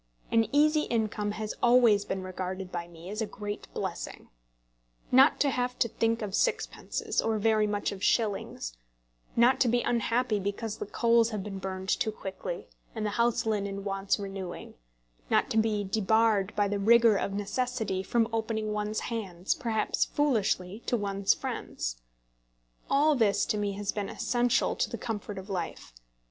An easy income has always been regarded by me as a great blessing. Not to have to think of sixpences, or very much of shillings; not to be unhappy because the coals have been burned too quickly, and the house linen wants renewing; not to be debarred by the rigour of necessity from opening one's hands, perhaps foolishly, to one's friends; all this to me has been essential to the comfort of life.